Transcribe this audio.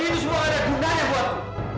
ini semua ada gunanya pak